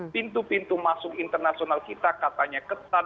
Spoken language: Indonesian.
pintu pintu masuk internasional kita katanya ketat